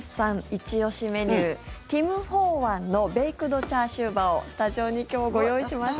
イチ押しメニューティム・ホー・ワンのベイクドチャーシューバオスタジオに今日、ご用意しました。